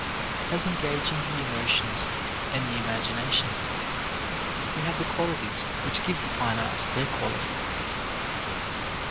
As engaging the emotions and the imagination, they have the qualities which give the fine arts their quality.